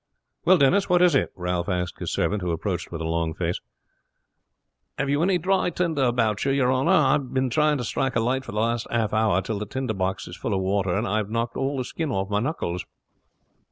"Well, Denis, what is it?" Ralph asked his servant, who approached with a long face. "Have you any dry tinder about you, your honor? I have been trying to strike a light for the last half hour till the tinder box is full of water, and I have knocked all the skin off my knuckles."